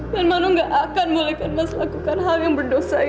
dan mano gak akan mulakan mas lakukan hal yang berdosa itu